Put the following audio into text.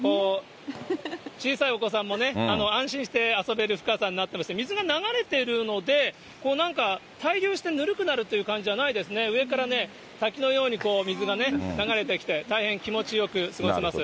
小さいお子さんもね、安心して遊べる深さになってまして、水が流れているので、なんか滞留してぬるくなるという感じではないですね、上からね、滝のように水が流れてきて、大変気持ちよく過ごせます。